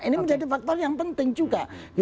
ini menjadi faktor yang penting juga